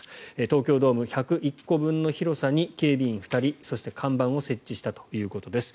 東京ドーム１０１個分の広さに警備員２人そして看板を設置したということです。